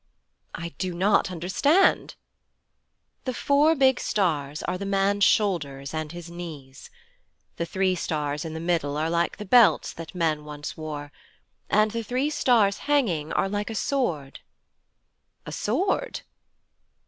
'I do not understand.' 'The four big stars are the man's shoulders and his knees. The three stars in the middle are like the belts that men wore once, and the three stars hanging are like a sword.' 'A sword?'